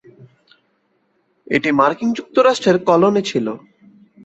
এটি মার্কিন যুক্তরাষ্ট্রের কলোনি ছিল।